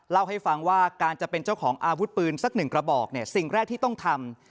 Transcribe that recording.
เล่าให้ฟังว่าการจะเป็นเจ้าของอาวุธปืนสักหนึ่งกระบอกเนี่ยสิ่งแรกที่ต้องทำ